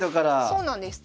そうなんです。